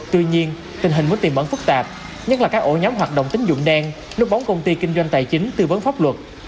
tuy nhiên tình hình vẫn tiềm mẫn phức tạp nhất là các ổ nhóm hoạt động tính dụng đen núp bóng công ty kinh doanh tài chính tư vấn pháp luật